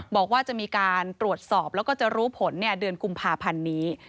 บอกว่าจะมีการตรวจสอบแล้วก็จะรู้ผลเดือนกุมภาพันธ์นี้